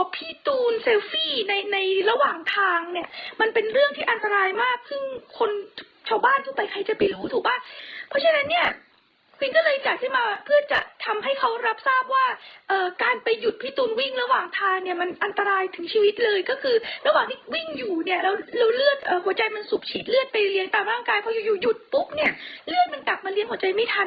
พออยู่หยุดปุ๊บเนี่ยเลือดมันกลับมาเรียนหัวใจไม่ทัน